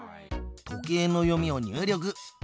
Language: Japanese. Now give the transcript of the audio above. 時計の読みを入力。